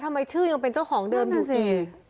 ทำไมชื่อยังเป็นเจ้าของเดิมดูสิ